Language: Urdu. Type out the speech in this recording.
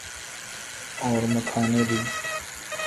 اورمیخانے بھی۔